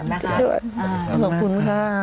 ขอบคุณค่ะ